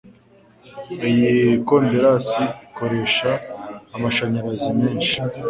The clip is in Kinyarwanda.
Iyi konderasi ikoresha amashanyarazi menshi.